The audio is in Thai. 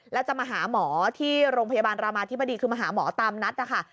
แล้วจะมาหาหมอที่โรงพยาบาลรามาธิบดีคือมาหาหมอตามนัดนะคะ